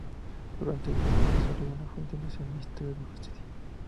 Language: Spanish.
Durante diez años desarrolló funciones en el Ministerio de Justicia.